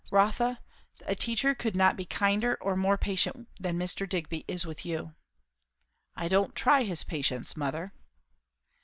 "Rotha, a teacher could not be kinder or more patient than Mr. Digby is with you." "I don't try his patience, mother."